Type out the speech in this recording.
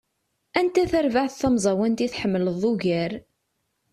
Anta tarbaεt tamẓawant i tḥemmleḍ ugar?